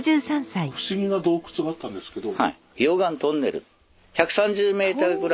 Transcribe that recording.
不思議な洞窟があったんですけど。